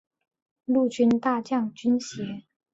陆军大将军衔。